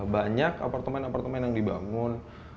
banyak apartemen apartemen yang dibangun